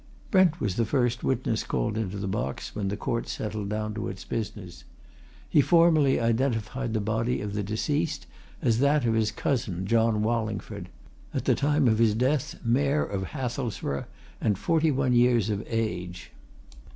Brent was the first witness called into the box when the court settled down to its business. He formally identified the body of the deceased as that of his cousin, John Wallingford: at the time of his death, Mayor of Hathelsborough, and forty one years of age.